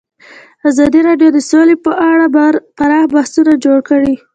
ازادي راډیو د سوله په اړه پراخ بحثونه جوړ کړي.